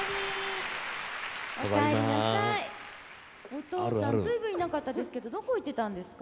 お父さん随分いなかったですけどどこ行ってたんですか？